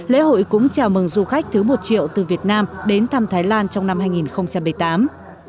lễ hội cũng chào mừng du khách thứ một triệu từ việt nam đến thăm thái lan trong năm hai nghìn một mươi tám